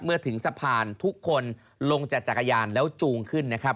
เมื่อถึงสะพานทุกคนลงจากจักรยานแล้วจูงขึ้นนะครับ